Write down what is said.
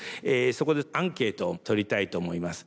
そこでアンケートを取りたいと思います。